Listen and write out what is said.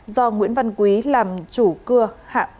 do nguyễn văn quý làm chủ cưa hạ